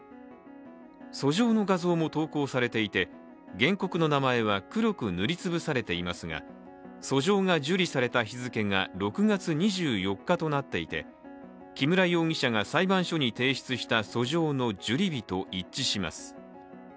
訴状の画像も投稿されていて、原告の名前は黒く塗りつぶされていますが訴状が受理された日付が６月２４日となっていて木村容疑者が裁判所に提出した訴状の受理日と一致します。